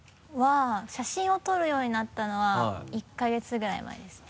写真を撮るようになったのは１か月ぐらい前ですね。